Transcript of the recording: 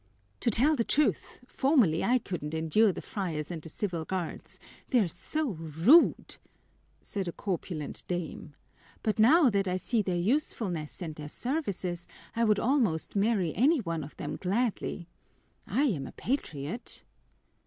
"To tell the truth, formerly I couldn't endure the friars and the civil guards, they're so rude," said a corpulent dame, "but now that I see their usefulness and their services, I would almost marry any one of them gladly. I'm a patriot."